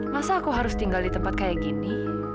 masa aku harus tinggal di tempat kayak gini